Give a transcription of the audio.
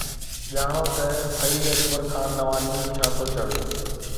ڄاڻو ته سعيد اڪبر خان نواني ڇا ٿو چوي